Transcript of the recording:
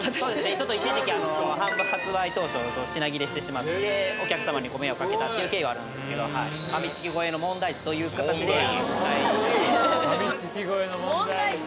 私ちょっと一時期発売当初品切れしてしまってお客様にご迷惑かけたっていう経緯はあるんですけどというかたちでファミチキ超えの問題児問題児！